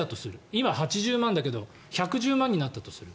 今、８０万だけど１１０万になったとする。